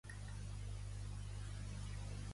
Aquesta va ser la segona edició del Family Values Tour.